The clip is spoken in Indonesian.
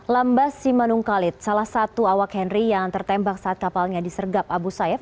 lambas simanung kalit salah satu awak henry yang tertembak saat kapalnya disergap abu sayyaf